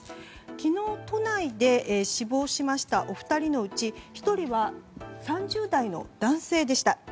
昨日、都内で死亡しましたお二人のうち１人は３０代の男性でした。